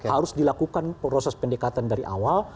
harus dilakukan proses pendekatan dari awal